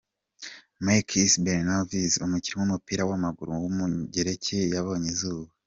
Makis Belevonis, umukinnyi w’umupira w’amaguru w’umugereki yabonye izuba.